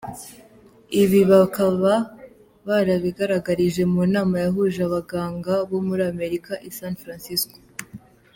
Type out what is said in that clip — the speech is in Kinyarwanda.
Ibi bakaba barabigaragarije mu nama yahuje abaganga bo muri Amerika i San Francisco.